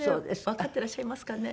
わかってらっしゃいますかね？